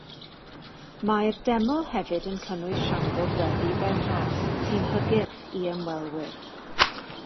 Mae'r deml hefyd yn cynnwys siambr weddi fewnol, sy'n hygyrch i ymwelwyr.